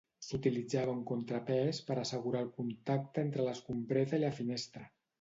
S'utilitzava un contrapès per a assegurar el contacte entre l'escombreta i la finestra.